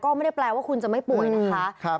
ก็ไม่ได้แปลว่าคุณจะไม่ป่วยนะคะ